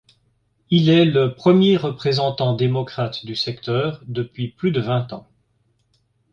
Il est le premier représentant démocrate du secteur depuis plus de vingt ans.